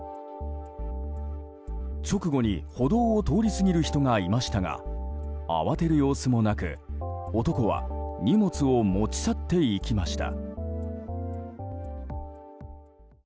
直後に歩道を通り過ぎる人がいましたが慌てる様子もなく、男は荷物を持ち去っていきました。